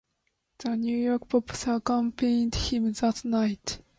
The New York Pops accompanied him that night.